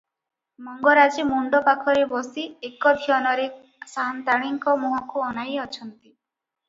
ମଙ୍ଗରାଜେ ମୁଣ୍ତ ପାଖରେ ବସି ଏକଧ୍ୟନରେ ସାଆନ୍ତାଣୀଙ୍କ ମୁହଁକୁ ଅନାଇ ଅଛନ୍ତି ।